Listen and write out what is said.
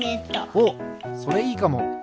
おっそれいいかも！